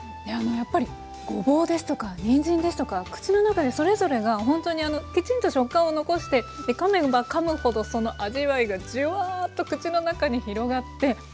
やっぱりごぼうですとかにんじんですとか口の中でそれぞれがほんとにあのきちんと食感を残してかめばかむほどその味わいがジュワーッと口の中に広がって。